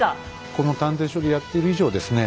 この探偵所でやってる以上ですね